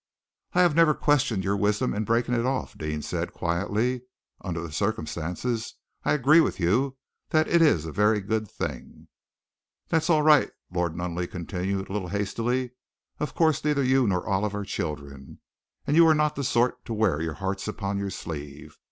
"I have never questioned your wisdom in breaking it off," Deane said quietly. "Under the circumstances, I agree with you that it is a very good thing." "That's all right," Lord Nunneley continued, a little hastily. "Of course, neither you nor Olive are children, and you are not the sort to wear your hearts upon your sleeve.